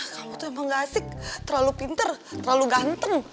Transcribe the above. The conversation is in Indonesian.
kamu tuh emang gak asik terlalu pinter terlalu ganteng